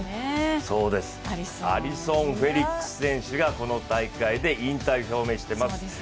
そうです、アリソン・フェリックス選手がこの大会で引退表明してます。